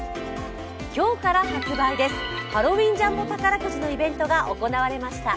今日から発売です、ハロウィンジャンボ宝くじのイベントが行われました。